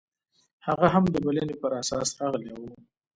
هغه هم د بلنې پر اساس راغلی و.